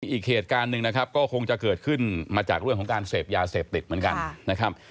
อีกเหตุการณ์หนึ่งนะครับก็คงจะเกิดขึ้นมาจากเรื่องของการเสพยาเสพติดเหมือนกันนะครับ